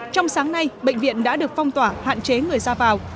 trong sáng nay bệnh viện đã được phong tỏa hạn chế người ra vào